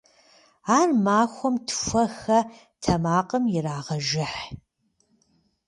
Ар махуэм тхуэ-хэ тэмакъым ирагъэжыхь.